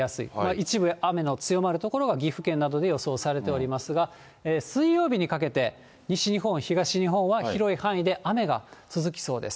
一部、雨の強まる所が岐阜県などで予想されておりますが、水曜日にかけて西日本、東日本は広い範囲で雨が続きそうです。